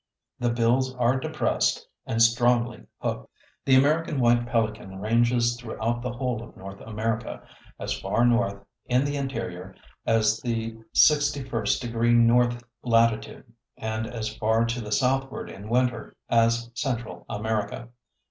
The bills are depressed and strongly hooked. The American White Pelican ranges throughout the whole of North America as far north, in the interior, as the 61° north latitude, and as far to the southward in winter as Central America.